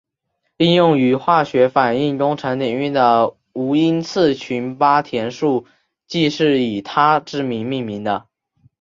应用于化学反应工程领域的无因次群八田数即是以他之名命名的。